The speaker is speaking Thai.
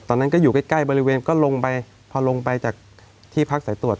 ตอนนั้นก็อยู่ใกล้ใกล้บริเวณก็ลงไปพอลงไปจากที่พักสายตรวจ